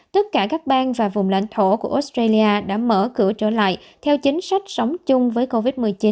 tất cả các bang và vùng lãnh thổ của australia đã mở cửa trở lại theo chính sách sống chung với covid một mươi chín